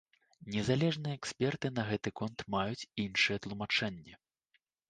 Незалежныя эксперты на гэты конт маюць іншыя тлумачэнні.